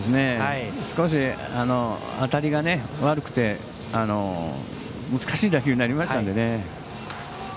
少し、当たりが悪くて難しい打球になりましたのでね。